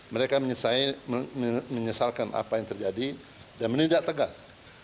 mereka menyesalkan apa yang terjadi dan menindak tegas